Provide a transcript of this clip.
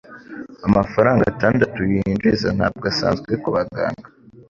Amafaranga atandatu yinjiza ntabwo asanzwe kubaganga.